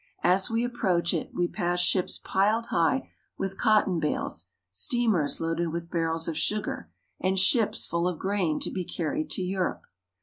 As we approach it we pass ships piled high with cotton bales, steamers loaded with barrels of sugar, and ships full of grain to be carried to Europe.